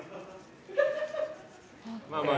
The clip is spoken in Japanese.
まあまあ。